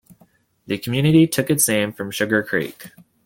The community took its name from Sugar Creek.